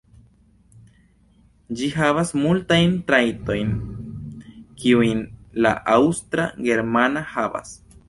Ĝi havas multajn trajtojn, kiujn la Aŭstra-germana havas.